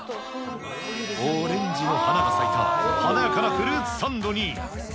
オレンジの花が咲いた華やかなフルーツサンドに。